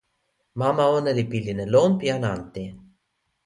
mama ona li pilin e lon pi jan ante.